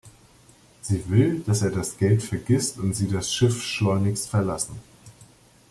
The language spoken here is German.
Sie will, dass er das Geld vergisst und sie das Schiff schleunigst verlassen.